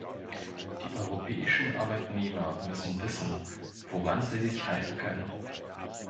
Die europäischen Arbeitnehmer müssen wissen, woran sie sich halten können.